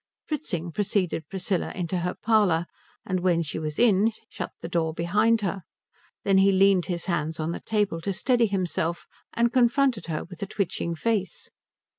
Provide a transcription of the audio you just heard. Fritzing preceded Priscilla into her parlour, and when she was in he shut the door behind her. Then he leaned his hands on the table to steady himself and confronted her with a twitching face.